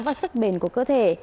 và sức bền của cơ thể